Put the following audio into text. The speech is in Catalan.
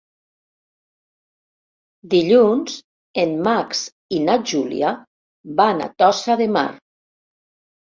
Dilluns en Max i na Júlia van a Tossa de Mar.